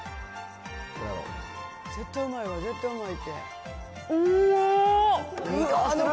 絶対うまいわ、絶対うまいっうまっ。